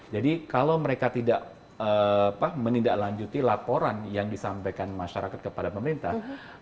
jadi kalau mereka tidak menindaklanjuti laporan yang disampaikan masyarakat kepada pemerintah